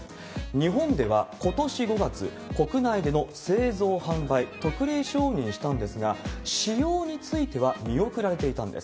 日本ではことし５月、国内での製造・販売、特例承認したんですが、使用については見送られていたんです。